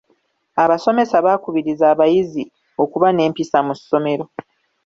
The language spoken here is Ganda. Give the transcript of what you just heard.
Abasomesa baakukubiriza abayizi okuba n'empisa mu ssomero.